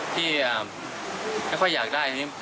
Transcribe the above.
พี่ไม่ค่อยอยากได้